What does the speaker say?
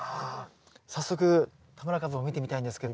早速田村かぶを見てみたいんですけど。